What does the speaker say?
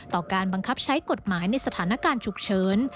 การบังคับใช้กฎหมายในสถานการณ์ฉุกเฉิน